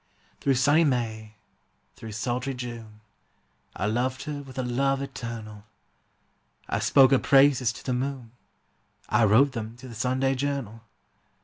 Through sunny May, through sultry June, I loved her with a love eternal; I spoke her praises to the moon, I wrote them to the Sunday Journal.